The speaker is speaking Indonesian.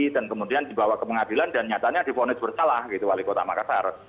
dan kemudian dibawa ke pengadilan dan nyatanya divonis bersalah wali kota makassar